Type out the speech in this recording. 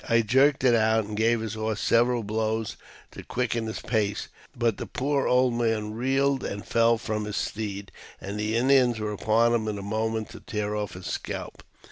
I jerked it out, and gave his horse several blows to quicken his pace ; but the poor old man reeled and fell from his steed, and the Indians were upon him in a moment to tear off his scalp.